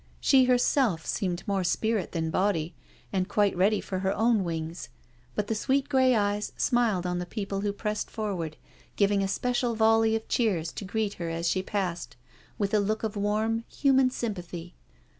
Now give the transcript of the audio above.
She herself seemed more spirit than body, and quite ready for her own wings, but the sweet grey eyes smiled on the people who pressed forward, giving a special volley of cheers to greet her as she passed, with a look of warm, human sympathy.